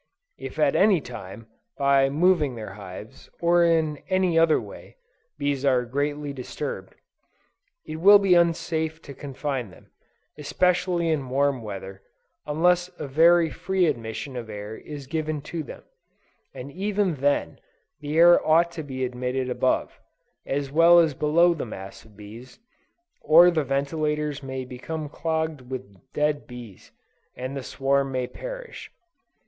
If at any time, by moving their hives, or in any other way, bees are greatly disturbed, it will be unsafe to confine them, especially in warm weather, unless a very free admission of air is given to them, and even then, the air ought to be admitted above, as well as below the mass of bees, or the ventilators may become clogged with dead bees, and the swarm may perish.